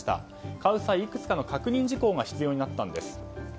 買う際、いくつかの確認事項が必要になったんです。